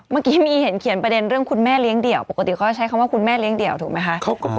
เมื่อกี้มีเห็นเขียนประเด็นเรื่องคุณแม่เลี้ยงเดี่ยวปกติเขาใช้คำว่าคุณแม่เลี้ยเดี่ยวถูกไหมคะ